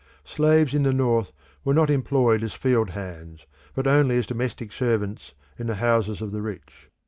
Slaves in the North were not employed as field hands, but only as domestic servants in the houses of the rich.